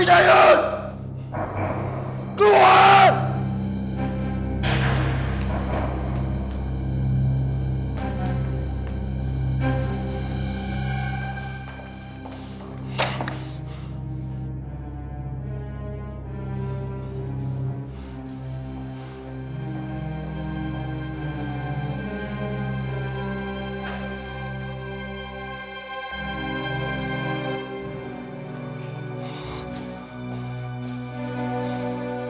dari mana kau kejar